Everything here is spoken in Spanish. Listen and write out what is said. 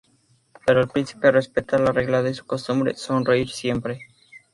Pero el príncipe respeta la regla de su costumbre: sonreír siempre.